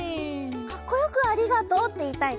かっこよく「ありがとう」っていいたいの？